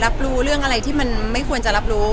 รับรู้เรื่องอะไรที่มันไม่ควรจะรับรู้